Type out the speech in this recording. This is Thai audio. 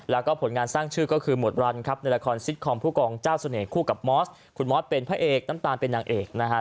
แล้วก็ผลงานสร้างชื่อก็คือหมดรันครับในละครซิตคอมผู้กองเจ้าเสน่หคู่กับมอสคุณมอสเป็นพระเอกน้ำตาลเป็นนางเอกนะฮะ